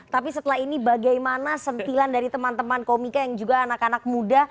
tapi setelah ini bagaimana sentilan dari teman teman komika yang juga anak anak muda